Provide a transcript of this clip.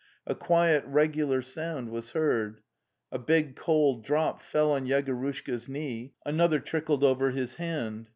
A quiet regular sound was heard. A big cold drop fell on Yegorushka's knee, another trickled over his hand.